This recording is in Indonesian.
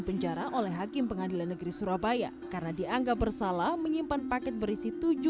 penjara oleh hakim pengadilan negeri surabaya karena dianggap bersalah menyimpan paket berisi